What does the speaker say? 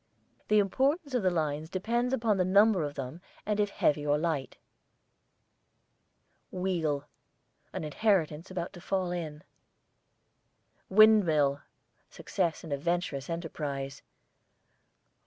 The importance of the lines depends upon the number of them and if heavy or light. WHEEL, an inheritance about to fall in. WINDMILL, success in a venturous enterprise.